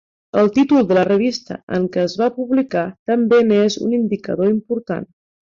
El títol de la revista en què es va publicar també n'és un indicador important.